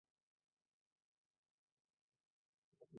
余切定理是三角学中关于三角形内切圆半径的定理。